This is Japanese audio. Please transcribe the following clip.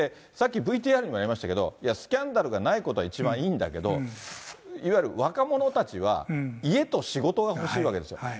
さっきＶＴＲにもありましたけれども、スキャンダルがないことが一番いいんだけど、いわゆる若者たちは家と仕事が欲しいわけですよ。